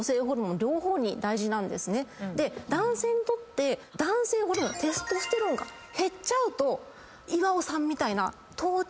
男性にとって男性ホルモンテストステロンが減っちゃうと岩尾さんみたいな頭頂部脱毛。